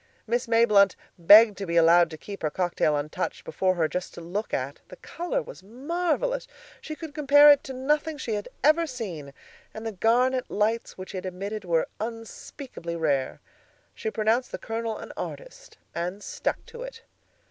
Miss Mayblunt begged to be allowed to keep her cocktail untouched before her, just to look at. The color was marvelous! She could compare it to nothing she had ever seen, and the garnet lights which it emitted were unspeakably rare. She pronounced the Colonel an artist, and stuck to it.